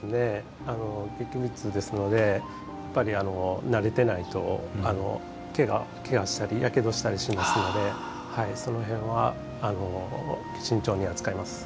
劇物ですのでやっぱり慣れてないと手をけがしたりやけどしたりしますのでその辺は、慎重に扱います。